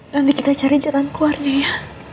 nanti kita cari jalan keluarnya ya